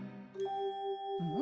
うん？